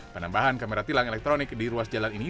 penambahan kamera tilang elektronik di ruas jalan ini